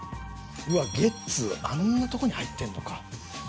うわっゲッツはあんなとこに入ってんのか。